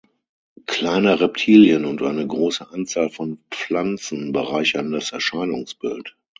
Kleine Reptilien und eine große Anzahl von Pflanzen bereichern das Erscheinungsbild.